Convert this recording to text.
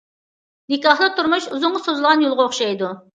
نىكاھلىق تۇرمۇش ئۇزۇنغا سوزۇلغان يولغا ئوخشايدۇ.